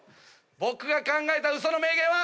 僕が考えた嘘の名言は。